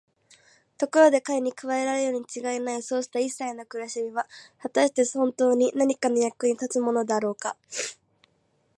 ところで彼に加えられるにちがいないそうしたいっさいの苦しみは、はたしてほんとうになんかの役に立つものだろうか。